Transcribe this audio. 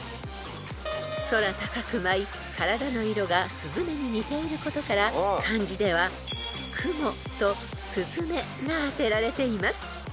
［空高く舞い体の色がスズメに似ていることから漢字では「雲」と「雀」が当てられています］